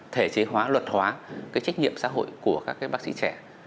thể chế hóa luật hóa cái trách nhiệm xã hội của các bác sĩ trẻ